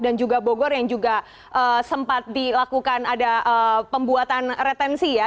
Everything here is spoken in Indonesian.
dan juga bogor yang juga sempat dilakukan ada pembuatan retensi ya